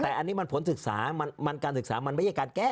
แต่อันนี้มันผลศึกษามันการศึกษามันไม่ใช่การแก้